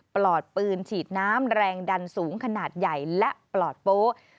ปลอดปืนฉีดน้ำแรงดันสูงขนาดใหญ่และปลอดโป๊ะ